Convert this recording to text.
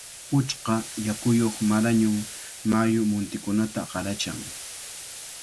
Puchka yakuyuq Marañón mayu muntikunata qarachan.